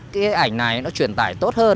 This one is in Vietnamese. cái ảnh này nó truyền tải tốt hơn